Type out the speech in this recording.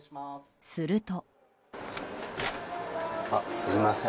すると。